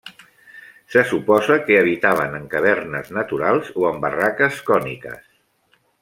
Se suposa que habitaven en cavernes naturals o en barraques còniques.